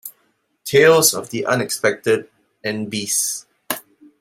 "Tales of the Unexpected" and "Beasts".